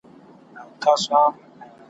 ځان ازاد که له ټولۍ د ظالمانو ,